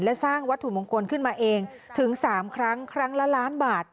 และสร้างวัตถุมงคลขึ้นมาเองถึง๓ครั้งครั้งละล้านบาท